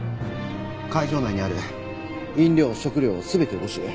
会場内にある飲料食料を全て押収。